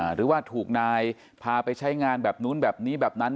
หรือว่าถูกนายพาไปใช้งานแบบนู้นแบบนี้แบบนั้น